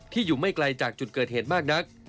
อยู่ไม่ไกลจากจุดเกิดเหตุมากนัก